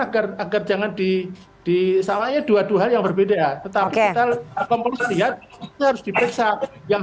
agar agar jangan di disamanya dua dua yang berbeda tetapi kita kompulsi lihat harus diperiksa yang